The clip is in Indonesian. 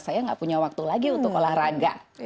saya nggak punya waktu lagi untuk olahraga